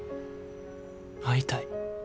会いたい。